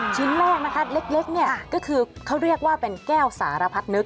ชิ้นแรกนะคะเล็กเนี่ยก็คือเขาเรียกว่าเป็นแก้วสารพัดนึก